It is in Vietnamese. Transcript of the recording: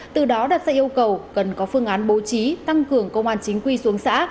từ đó đặt ra yêu cầu cần có phương án bố trí tăng cường công an chính quy xuống xã